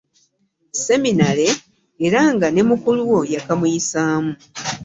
Seminare, era nga ne mukulu wo yakamuyisaamu.